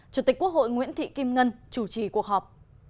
chủ tịch quốc hội nguyễn thị kim ngân chủ trì cuộc họp